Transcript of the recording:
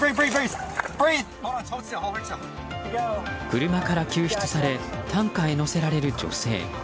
車から救出され担架へ乗せられる女性。